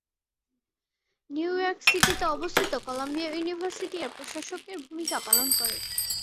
New York সিটিতে অবস্থিত Columbia University এর প্রশাসকের ভূমিকা পালন করে।